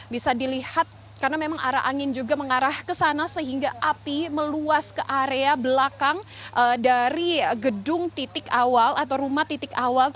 bisa dilihat karena memang arah angin juga mengarah ke sana sehingga api meluas ke area belakang dari gedung titik awal atau rumah titik awal